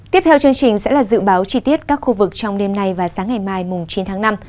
tiếp theo chương trình sẽ là dự báo chi tiết các khu vực trong đêm nay và sáng ngày mai chín tháng năm